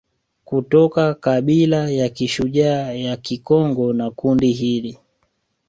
Kutoka kabila ya kishujaa ya Kikongo na kundi hili